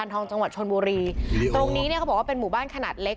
โรงนี้เขาบอกเป็นบ้านขนาดเล็ก